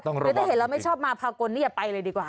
หรือถ้าเห็นแล้วไม่ชอบมาพากลนี่อย่าไปเลยดีกว่า